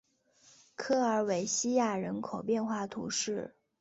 科尔韦西亚人口变化图示